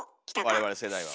我々世代は。